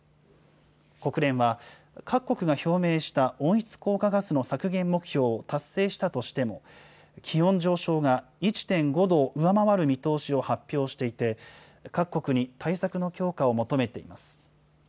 国連は、各国が表明した温室効果ガスの削減目標を達成したとしても、気温上昇が１．５度を上回る見通しを発表していて、各国に対策の強化を求めています。